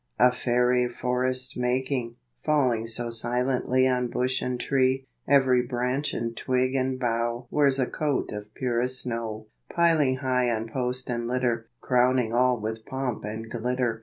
A fairy forest making, Falling so silently On bush and tree, Every branch and twig and bough Wears a coat of purest snow, Piling high on post and litter, Crowning all with pomp and glittor.